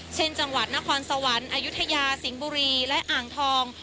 เช่นจังหวัดนครสวรรค์อายุทยาสิงห์บุรีและอ่างทอง